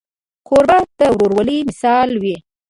کوربه د ورورولۍ مثال وي.